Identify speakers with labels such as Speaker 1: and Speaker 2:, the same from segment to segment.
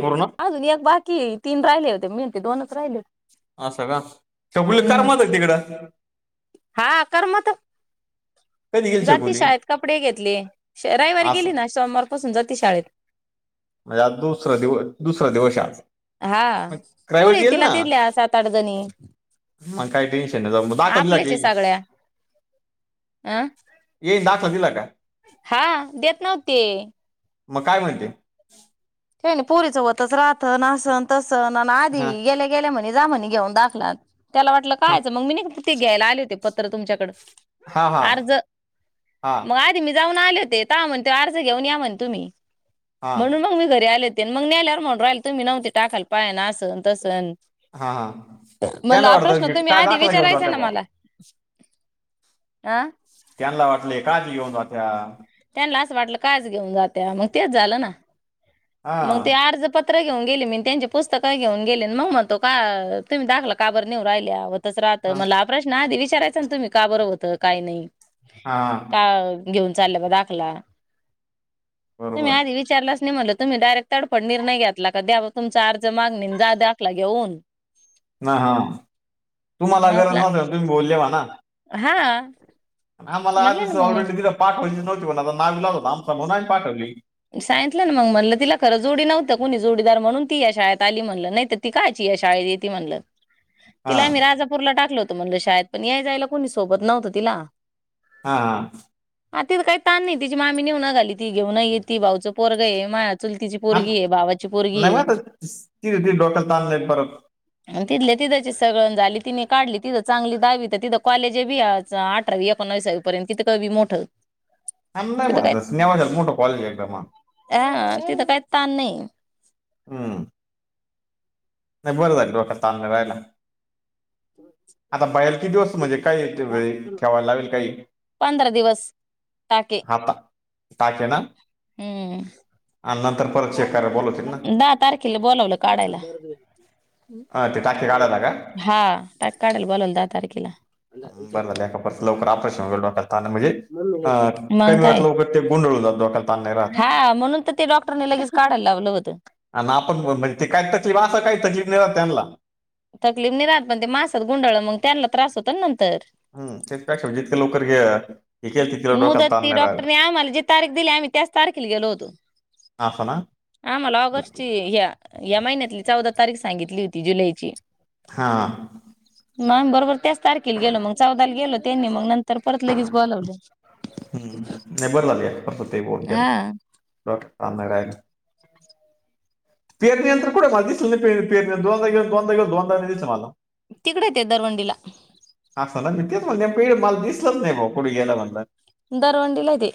Speaker 1: पूर्ण
Speaker 2: अजून एक बाकी तीन राहिले होते मेहते दोनच राहिले होत
Speaker 1: अस का शबुल करमत का तिकडं
Speaker 2: हा करमत
Speaker 1: कधी गेली
Speaker 2: जाती
Speaker 1: छकुली
Speaker 2: शाळेत कपडे घेतले रविवारी
Speaker 1: असं
Speaker 2: गेली ना सोमवार पासून जाती शाळेत
Speaker 1: म्हणजे आज दुसरं दिवस दुसरं दिवस आहे आज
Speaker 2: हा
Speaker 1: मग क्रायवत
Speaker 2: पुरी
Speaker 1: येईल
Speaker 2: तिला
Speaker 1: ना
Speaker 2: दिल्या सात, आठ जणी
Speaker 1: मग काही टेन्शन नाही जाऊ म दाखवला
Speaker 2: आपल्याच
Speaker 1: की
Speaker 2: आहे
Speaker 1: मी
Speaker 2: सगळ्या अ
Speaker 1: येईन दाखल दिला का
Speaker 2: हा देत नव्हते
Speaker 1: मग काय म्हणले
Speaker 2: काही नाहीन पुरीचं होतच राहत आसन तसन आधी
Speaker 1: हा
Speaker 2: गेल्याकी गेला म्हने जा म्हने घेऊन दाखला त्याला वाटलं
Speaker 1: हा
Speaker 2: कायचं मग मी तेे्याय आले होते पत्र तुमच्याकड
Speaker 1: हा हा
Speaker 2: अर्ज
Speaker 1: हा
Speaker 2: मग मी जाऊन आले होते म्हणते ता अर्ज घेऊन या म्हण तुम्ही
Speaker 1: हा
Speaker 2: म्हणून म मी ते आले हो आणि मग नेल्यार म्हणून राहिल तुम्ही नव्हते टाकाल पाहा असंन, तसन
Speaker 1: हा हा
Speaker 2: म्हणलं
Speaker 1: त्यांना
Speaker 2: हा
Speaker 1: वाटतं
Speaker 2: प्रश्न
Speaker 1: की
Speaker 2: तुम्ही
Speaker 1: काय
Speaker 2: आधी
Speaker 1: दाखला घेऊन
Speaker 2: विचारायचा
Speaker 1: जात्या
Speaker 2: ना
Speaker 1: भाऊ
Speaker 2: मला अ
Speaker 1: यांना वाटलं हे काहाले येऊन राहात्या.
Speaker 2: त्यांना असं वाटलं काहाच घेऊन जात्या, मग तेच झालं ना,
Speaker 1: हा
Speaker 2: मग ते अर्ज पण- पत्र घेऊन गेली मी त्यांची पुस्तकं घेऊन गेले मग म्हणतो का तुम्ही दाखला काबर नेऊ राहिले - च राहतं मला हा प्रश्न आधी विचारायचा ना तुम्ही का बर होतं, काय नाही.
Speaker 1: हा
Speaker 2: आ घेऊन चालल्या का दाखला, तुम्ही
Speaker 1: बरोबर
Speaker 2: आधी विचारलंच नाही म्हणलं - तुम्ही डायरेक्ट तडफड निर्णय घेतला कि द्या म तुमचा अर्ज मांगन आणी जा दाखला घेऊन.
Speaker 1: ह हा तुम्हाला गरज
Speaker 2: म्हटलं
Speaker 1: नव्हती अस तुम्ही बोलले म्हणा.
Speaker 2: हा.
Speaker 1: आम्हाला
Speaker 2: म्हणले ना
Speaker 1: आधीच
Speaker 2: मग मी
Speaker 1: ऑलरेडी तिला पाठवायचीच नव्हती म्हणा पण नावीलाज होता आमचा म्हणून आम्ही पाठवली.
Speaker 2: सांगितलं ना मग म्हणलं तिला खरं जोडी नव्हतं कोणी जोडीदार म्हणून ती या शाळेत आली म्हणलं नाहीतर- ती कायची या शाळ येती म्हणल.
Speaker 1: हा
Speaker 2: तिला आम्ही राजापूरला टाकल होत म्हणल शाळेत पण यायजायला कोणी सोबत नव्हतं तिला.
Speaker 1: हा हा.
Speaker 2: आता तिथ काही ताण नाही, तिची मामी नेऊून घालीती घेऊन येती, भाऊचं पोरग आहे माह्या- चुलतीची
Speaker 1: आम-
Speaker 2: पोरगी हे, भावाची पोरगी
Speaker 1: नाही मग
Speaker 2: हे.
Speaker 1: आता तिथे ती डोक्याला ताण नाही परत
Speaker 2: तिथल्या तिथेच हे सगळ. झाली तिने काढली चांगली दहावी तर तिथं कॉलेजे बी हे आज. आठरावी एकोणासावीपर्यंत कितक बी मोठं.
Speaker 1: आण् लई
Speaker 2: तिथं
Speaker 1: महत्त्वाचं, नेवाजात मोठ कॉलेज एकदम हा.
Speaker 2: अ तिथं काही ताण नाही.
Speaker 1: हम् नाही बरं झालं डोक्याला ताण नाही राहिला.
Speaker 2: [inaudible]
Speaker 1: आता पह्यलला किती दिवस म्हणजे काय ठेवाय, ठेवायला लागेल काही.
Speaker 2: पंधरा दिवस. टाके
Speaker 1: थांबा, आज हे ना.
Speaker 2: हम्म
Speaker 1: आल्हाद
Speaker 2: दहा तारखेला बोलावलं काढायला.
Speaker 1: हा, ते टाके काढायला का
Speaker 2: हा त्याच काढयला बोलावल दहा तारखेला.
Speaker 1: बरं झालं एका परत लवकर ऑपरेशन वगैरे डोक्याला ताण म्हणजे अ
Speaker 2: मग
Speaker 1: कमी वेळात
Speaker 2: काय
Speaker 1: लवकर ते गोंधळ होउन जातो डोक्याला. ताण नाही राहत
Speaker 2: हा म्हणून तर ते डॉक्टरनी लगेच काढायला लावलं होतं.
Speaker 1: आणि आपण म्हणू ते काय तकलिफ, असा काय तकलीफ नाही राहात त्यांनला.
Speaker 2: तकलीफ नाही राहत पण ते मासात गुंडाळ मग त्यांना त्रास होतो ना नंतर.
Speaker 1: त्याच्यापेक्षा म्हणजे जितके लवकर घ्या-
Speaker 2: मुदत ती डॉक्टरने आम्हाला जी तारीख दिली आम्ही त्याच तारखेला गेलो होतो.
Speaker 1: असं ना.
Speaker 2: आम्हाला ऑगस्टची, ह्या - ह्या महिन्यातली चौदा तारीख सांगितली होती जुलैची.
Speaker 1: हा
Speaker 2: मग बरोबर त्याच तारखेला गेलो मग चौदाला गेलो त्यांनी मग नंतर परत लगेच बोलवलं.
Speaker 1: हम् नाही बर झाल प एकखट होते बोडक्यात,
Speaker 2: हा
Speaker 1: डोक्याला ताण नाही राहिला. पेरणी यंत्र कुठं मला दिसलं नाही पेर पेर दोनदा गेलो दोनदा गेलो दोनदा नाही दिसलं मला.
Speaker 2: तिकडंय ते दरवंडीला.
Speaker 1: असं नां मी तेचं म्हणलं पेढ मलां दिसलंच नाहीं भावां कूठे गेलां म्हणलं
Speaker 2: दरवंडिला ते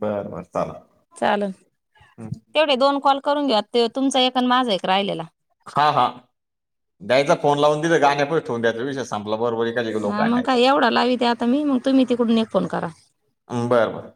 Speaker 1: बरं बरं चालंण
Speaker 2: चाललं तेवढे दोन कॉल करूंन घ्यां ते तुमचां एक आंण माझां एक राहिलेला
Speaker 1: हां हां द्यायचा फोन लावूंन तिथं गाण्यां पशी ठीऊंन द्यायचा विषय संपला बरोबर ए बाई
Speaker 2: हां मंग कायं एवढां लावी ते आंता मी मंग तुम्हीं तिकडूंन एक फोन करां
Speaker 1: बरं बरं